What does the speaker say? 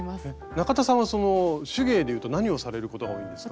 中田さんはその手芸でいうと何をされることが多いんですか？